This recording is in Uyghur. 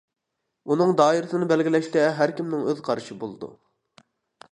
ئۇنىڭ دائىرىسىنى بەلگىلەشتە ھەر كىمنىڭ ئۆز قارىشى بولىدۇ.